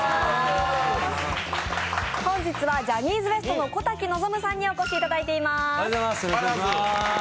本日はジャニーズＷＥＳＴの小瀧望さんにお越しいただいています。